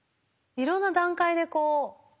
いろんな段階でこう。